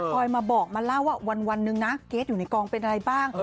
คอยมาบอกมาเล่าว่าวันหนึ่งนะเกรทอยู่ในกองเป็นอะไรบ้าง